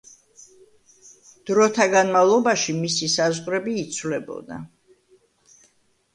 დროთა განმავლობაში მისი საზღვრები იცვლებოდა.